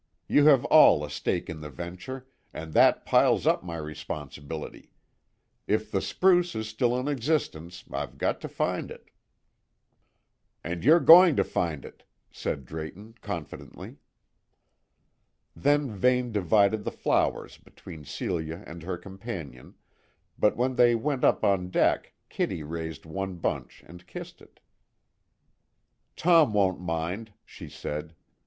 You have all a stake in the venture, and that piles up my responsibility. If the spruce is still in existence, I've got to find it." "And you're going to find it," said Drayton confidently. Then Vane divided the flowers between Celia and her companion, but when they went up on deck Kitty raised one bunch and kissed it. "Tom won't mind," she said.